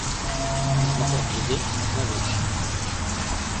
Он смотрел на людей, как на вещи.